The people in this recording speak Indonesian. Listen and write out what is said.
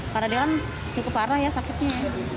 karena dia kan cukup parah ya sakitnya